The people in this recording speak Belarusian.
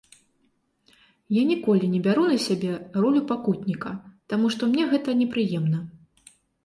Я ніколі не бяру на сябе ролю пакутніка, таму што мне гэта непрыемна.